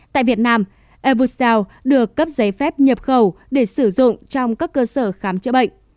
tại việt nam airvusta được cấp giấy phép nhập khẩu để sử dụng trong các cơ sở khám chữa bệnh